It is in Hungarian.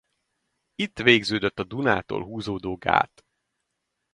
Itt végződött a Dunától húzódó gát.